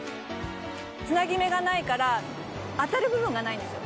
つなぎ目がないから当たる部分がないんですよ。